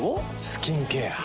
スキンケア。